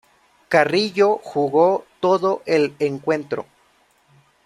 Carrillo jugó todo el encuentro.